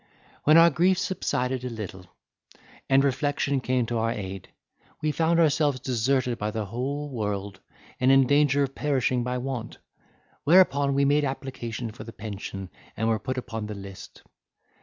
When our grief subsided a little, and reflection came to our aid, we found ourselves deserted by the whole world, and in danger of perishing by want; whereupon we made application for the pension, and were put upon the list.